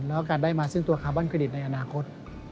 และได้มาซื่องตัวคาร์บอนกระดิษฐ์ในอนาคต